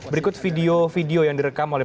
berikut video video yang direkam oleh